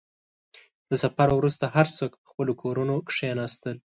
• د سفر وروسته، هر څوک په خپلو کورونو کښېناستل.